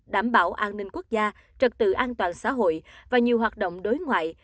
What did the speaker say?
đảm bảo an ninh quốc gia trật tự an toàn xã hội và nhiều hoạt động đối ngoại